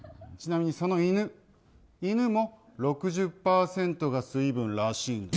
ちなみにその犬も６０％が水分らしい。